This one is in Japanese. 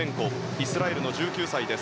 イスラエルの１９歳です。